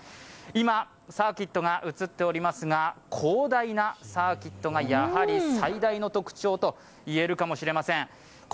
今サーキットが映っておりますが、広大なサーキットが最大の特徴といえるかもしれません。